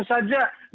bukan hanya saja